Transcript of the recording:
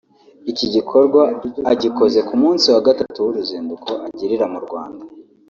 Iki gikorwa agikoze ku munsi wa gatatu w’uruzinduko agirira mu Rwanda